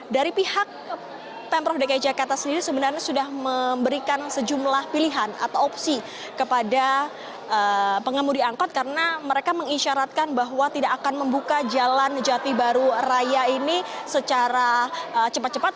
dari pihak pemprov dki jakarta sendiri sebenarnya sudah memberikan sejumlah pilihan atau opsi kepada pengemudi angkot karena mereka mengisyaratkan bahwa tidak akan membuka jalan jati baru raya ini secara cepat cepat